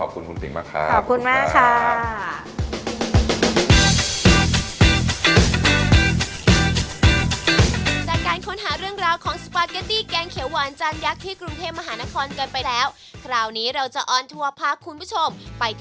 คลึกดึกกับอาหารในร้านได้